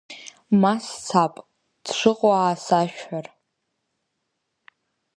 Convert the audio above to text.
Ма сцап, дшыҟоу аасашәҳәар.